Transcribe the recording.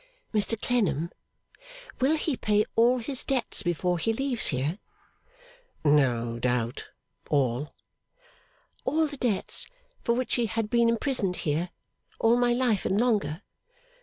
'Mr Clennam, will he pay all his debts before he leaves here?' 'No doubt. All.' 'All the debts for which he had been imprisoned here, all my life and longer?